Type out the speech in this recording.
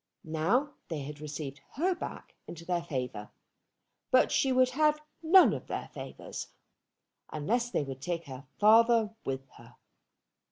Now they had received her back into their favour. But she would have none of their favours, unless they would take her father with her.